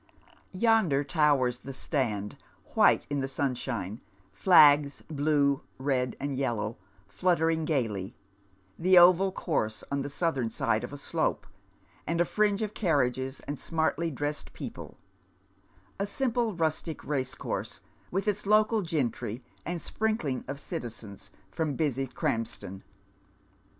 Yonder towers the stand, white in the sunshine, flags bine, red, and yellow, fluttering gaily, the oval course on the southern side of a slope, and a fringe of carriasres and smartly dressed people — a simple rustic racecourse, with its local gentry, and sprinkling of citizens from busy Krampston.